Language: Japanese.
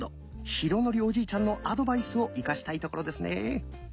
浩徳おじいちゃんのアドバイスを生かしたいところですね。